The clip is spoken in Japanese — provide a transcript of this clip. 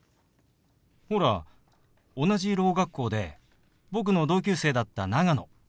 ほら同じろう学校で僕の同級生だった長野。